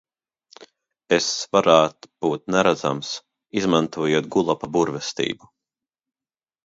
Es varēt būt neredzams, izmantojot gulapa burvestību!